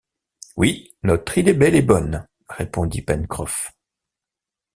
Oui, notre île est belle et bonne, répondit Pencroff.